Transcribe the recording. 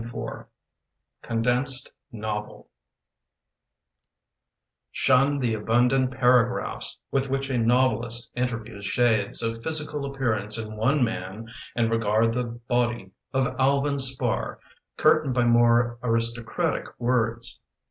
CONDENSED NOVEL SHUN the abundant paragraphs With which a novelist interviews shades Of physical appearance in one man, And regard the body of Alvin Spar Curtained by more aristocratic words.